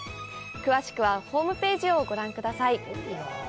詳しくはホームページをご覧ください。